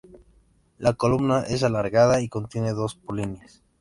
La columna es alargada y contiene dos polinias.